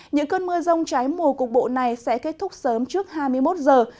những cơn mưa rông trái mùa cục bộ này sẽ kết thúc sớm trước hai mươi một giờ